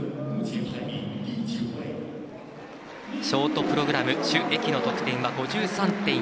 ショートプログラム朱易の得点は５３．４４。